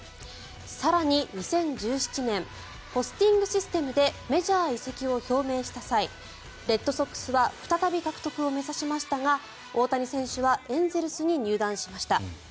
更に、２０１７年ポスティングシステムでメジャー移籍を表明した際レッドソックスは再び獲得を目指しましたが大谷選手はエンゼルスに入団しました。